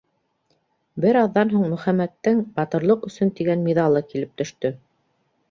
Бер аҙҙан һуң Мөхәммәттең «Батырлыҡ өсөн» тигән миҙалы килеп төштө.